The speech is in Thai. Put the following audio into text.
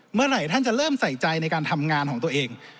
เมื่อไหร่ท่านจะเริ่มใส่ใจในการทำงานของตัวเอง